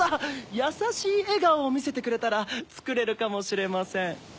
やさしいえがおをみせてくれたらつくれるかもしれません。